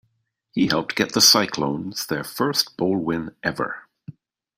He helped get the Cyclones their first bowl win ever.